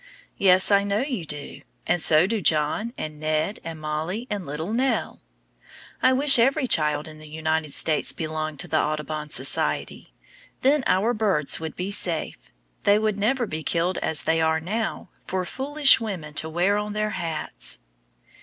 Yes, I know you do, and so do John and Ned and Mollie and little Nell. I wish every child in the United States belonged to the Audubon Society. Then our birds would be safe. They would never be killed as they are now for foolish women to wear on their hats.